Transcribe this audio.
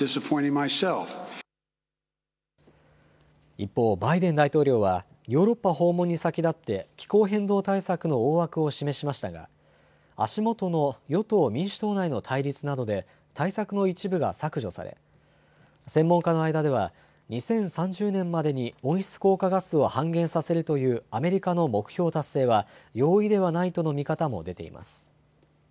一方、バイデン大統領はヨーロッパ訪問に先立って気候変動対策の大枠を示しましたが足元の与党民主党内の対立などで対策の一部が削除され専門家の間では２０３０年までに温室効果ガスを半減させるというアメリカの目標達成は容易ではないとの見方も出ています。